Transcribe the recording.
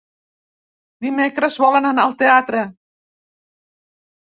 Dimecres volen anar al teatre.